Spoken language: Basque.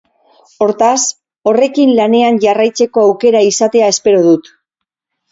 Hortaz, horrekin lanean jarraitzeko aukera izatea espero dut.